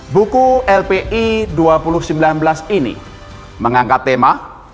buku lpi dua ribu sembilan belas ini mengangkat tema